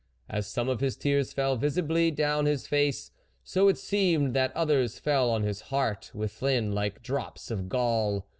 As some of his tears fell visibly adown his face, so it seemed that others fell on his heart within like drops of gall.